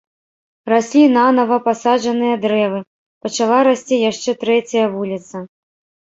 Раслі нанава пасаджаныя дрэвы, пачала расці яшчэ трэцяя вуліца.